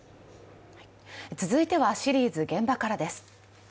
続いてはシリーズ「現場から」です。